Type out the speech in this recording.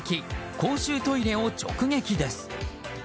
公衆トイレを直撃です。